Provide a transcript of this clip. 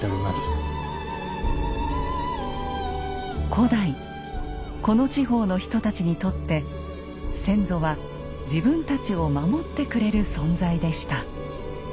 古代この地方の人たちにとって先祖は自分たちを守ってくれる存在でした。